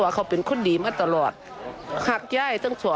สวัสดีค่ะ